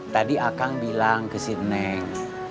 tadi akang bilang ke si neng